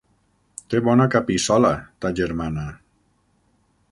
Té bona capissola, ta germana!